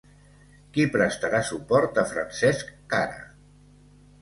Qui prestarà suport a Francesc Cara?